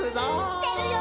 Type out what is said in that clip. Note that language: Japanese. してるよ！